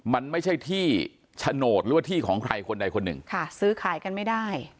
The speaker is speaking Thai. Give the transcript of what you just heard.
มันไม่ใช่ที่โฉนดหรือว่าที่ของใครคนใดคนหนึ่งค่ะซื้อขายกันไม่ได้